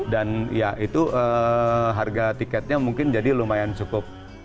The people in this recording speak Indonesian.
dan ya itu harga tiketnya mungkin jadi lumayan cukup